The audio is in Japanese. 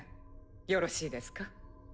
よろしいですか？